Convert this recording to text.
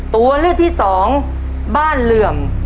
ตัวเลือกที่สองบ้านเหลื่อม